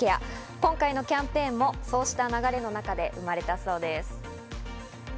今回のキャンペーンも、そうした流れの中で生まれたそうです。